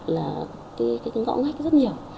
là cái ngõ ngách rất nhiều